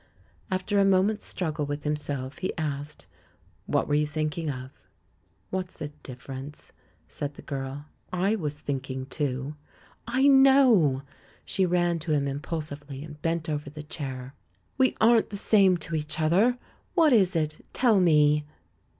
After a moment's struggle with himself he asked, "What were you thinking of?" "What's the difference?" said the girl. "7 was thinking, too." "I know!" She ran to him impulsively and bent over the chair. "We aren't the same to each other! What is it? Tell me!"